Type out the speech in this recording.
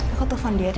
aku telfon dia tuh